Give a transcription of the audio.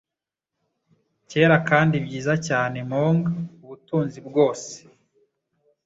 Kera kandi byiza cyane mong ubutunzi bwose